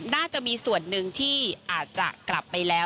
น่าจะมีส่วนหนึ่งที่อาจจะกลับไปแล้ว